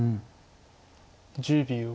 １０秒。